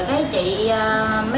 rồi chị mới đi